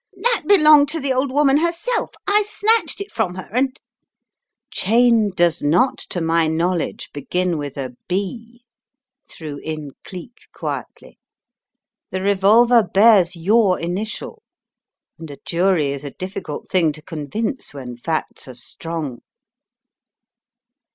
"That belonged to the old woman herself, I snatched it from her, and " "Cheyne does not to my knowledge begin with a TBY 5 threw in Cleek, quietly. "The revolver bears your initial and a jury is a difficult thing to convince when facts are strong."